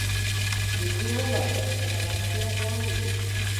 جوجو وویل زړورتيا غواړي.